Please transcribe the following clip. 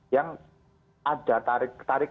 yang ada tarikannya itu